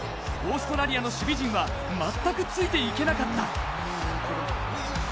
オーストラリアの守備陣は全くついていけなかった。